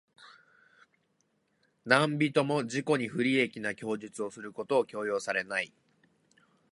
何人（なんびと）も自己に不利益な供述をすることを強要されない。